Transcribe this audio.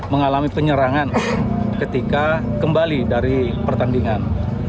mengalami penyerangan ketika kembali dari pertandingan